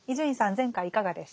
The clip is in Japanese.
前回いかがでしたか？